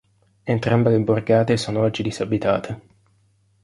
Entrambe le borgate sono oggi disabitate.